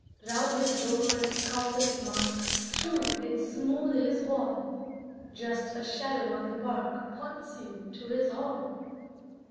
Round his door as compass mark, True and smooth his wall; Just a shadow on the bark Points you to his hall.